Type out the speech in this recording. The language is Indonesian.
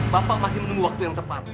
bapak masih menunggu waktu yang tepat